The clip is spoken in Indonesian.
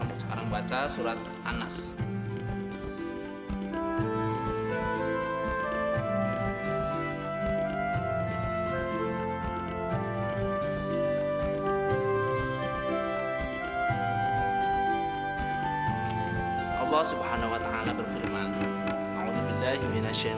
eh glennku sayang kangen nih